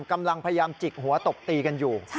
กำลังพยายามจิกหัวตบตีกันอยู่